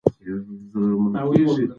هغې د میکا روژې احترام کوي.